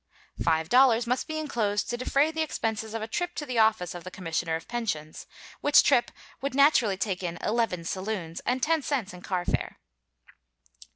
Five dollars must be enclosed to defray the expenses of a trip to the office of the commissioner of pensions, which trip would naturally take in eleven saloons and ten cents in car fare.